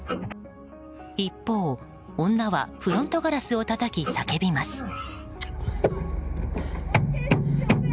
一方、女はフロントガラスをたたき叫びます。